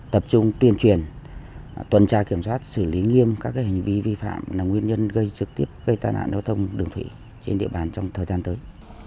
tập trung tuyên truyền tuần tra kiểm soát xử lý nghiêm các hành vi vi phạm là nguyên nhân gây trực tiếp gây tai nạn giao thông đường thủy trên địa bàn trong thời gian tới